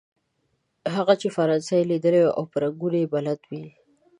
هغه چې فرانسه یې ليدلې وي او په رنګونو يې بلد وي.